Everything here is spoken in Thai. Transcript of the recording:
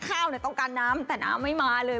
ข้าวต้องการน้ำแต่น้ำไม่มาเลย